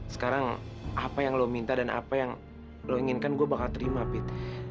sekarang apa yang lo minta dan apa yang lo inginkan gue bakal terima pit